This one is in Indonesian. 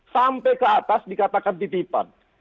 sampai ke atas dikatakan titipan